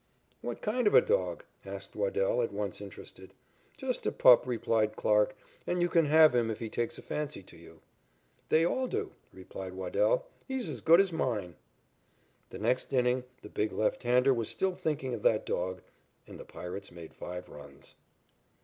"What kind of a dog?" asked Waddell at once interested. "Just a pup," replied Clarke, "and you can have him if he takes a fancy to you." "They all do," replied Waddell. "He's as good as mine." The next inning the big left hander was still thinking of that dog, and the Pirates made five runs.